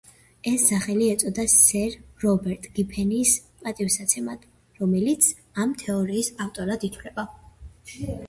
ეს სახელი ეწოდა სერ რობერტ გიფენის პატივსაცემად, რომელიც ამ თეორიის ავტორად ითვლება.